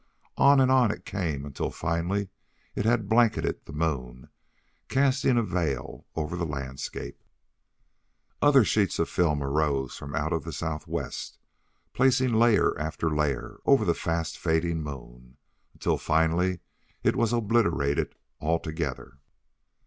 On and on it came until finally it had blanketed the moon, casting a veil over the landscape. Other sheets of film arose from out the southwest, placing layer after layer over the fast fading moon, until finally it was obliterated altogether.